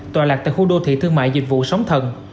tòa lạc tại khu đô thị thương mại dịch vụ sống thần